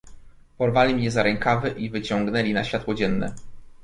"Porwali mnie za rękawy i wyciągnęli na światło dzienne."